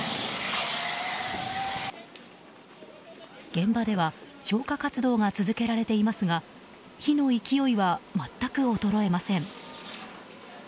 現場では消火活動が続けられていますが火の勢いは全く衰えません。